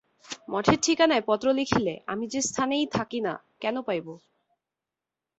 মঠের ঠিকানায় পত্র লিখিলে আমি যে-স্থানেই থাকি না কেন পাইব।